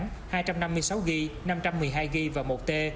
hai trăm năm mươi sáu gb năm trăm một mươi hai gb và một t